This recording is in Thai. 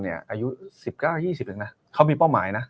อายุ๑๙๒๐เองนะเขามีเป้าหมายนะ